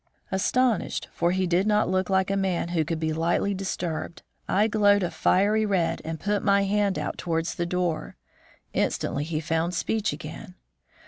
Astonished, for he did not look like a man who could be lightly disturbed, I glowed a fiery red and put my hand out towards the door. Instantly he found speech again.